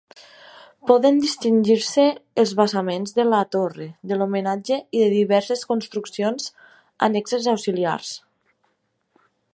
Poden distingir-se els basaments de la torre de l'homenatge i de diverses construccions annexes auxiliars.